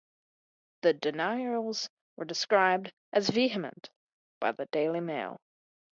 The denials were described as "vehement" by the Daily Mail.